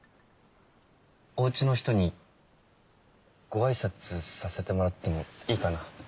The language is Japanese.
おうちの人にご挨拶させてもらってもいいかな。